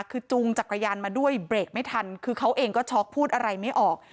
คือจูงจักรยานมาด้วยเบรกไม่ทันคือเขาเองก็ช็อกพูดอะไรไม่ออก